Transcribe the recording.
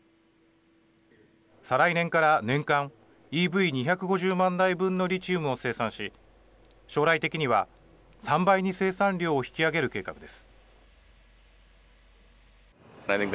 再来年から年間ＥＶ２５０万台分のリチウムを生産し将来的には３倍に生産量を引き上げる計画です。